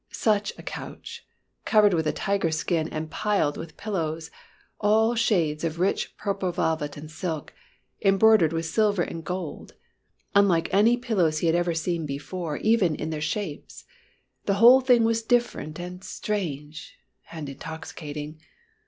Such a couch! covered with a tiger skin and piled with pillows, all shades of rich purple velvet and silk, embroidered with silver and gold unlike any pillows he had ever seen before, even to their shapes. The whole thing was different and strange and intoxicating.